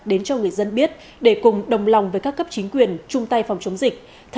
đến cho người dân biết để cùng đồng lòng với các cấp chính quyền chung tay phòng chống dịch